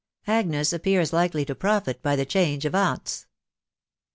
AGNES APPEARS LIKELY TO PROFIT BY THE CHANGE OF AUNTS.